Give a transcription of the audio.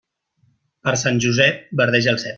Per Sant Josep, verdeja el cep.